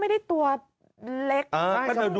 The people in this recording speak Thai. ไม่ได้ตัวเล็ก